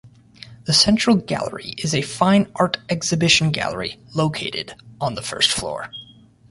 The Central Gallery is a fine art exhibition gallery located on the first floor.